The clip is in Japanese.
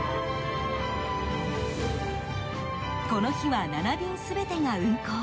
この日は７便全てが運行。